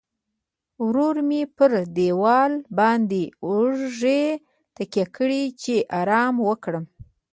ورو مې پر دیواله باندې اوږې تکیه کړې، چې ارام وکړم.